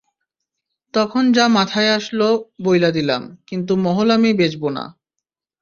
তখন যা মাথায় আসলো, বইলা দিলাম, কিন্তু মহল আমি বেচবো না।